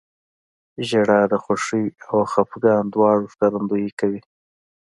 • ژړا د خوښۍ او خفګان دواړو ښکارندویي کوي.